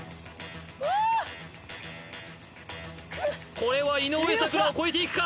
これは井上咲楽を超えていくか？